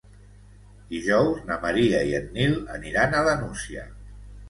Dijous na Maria i en Nil aniran a la Nucia.